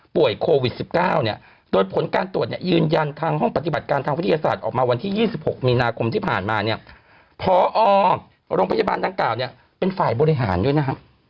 โควิด๑๙เนี่ยโดยผลการตรวจเนี่ยยืนยันทางห้องปฏิบัติการทางวิทยาศาสตร์ออกมาวันที่๒๖มีนาคมที่ผ่านมาเนี่ยพอโรงพยาบาลดังกล่าวเนี่ยเป็นฝ่ายบริหารด้วยนะฮะ